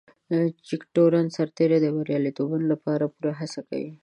جګتورن د سرتیرو د بريالیتوب لپاره پوره هڅه کوي.